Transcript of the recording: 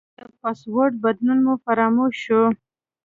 د پاسورډ بدلون مې فراموش شو.